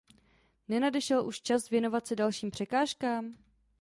Nenadešel už čas věnovat se dalším překážkám?